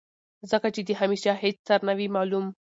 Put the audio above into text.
ځکه چې د همېشه هېڅ سر نۀ وي معلوم